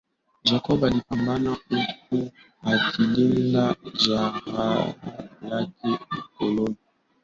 Jacob alipambana huku akilinda jeraha lake mkononi